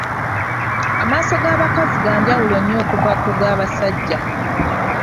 Amaaso ga bakazi ga njawulo nnyo okuva ku ga basajja.